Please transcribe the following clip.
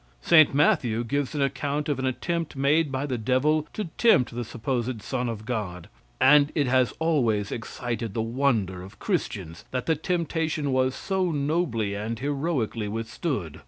St. Matthew gives an account of an attempt made by the devil to tempt the supposed son of God; and it has always excited the wonder of Christians that the temptation was so nobly and heroically withstood.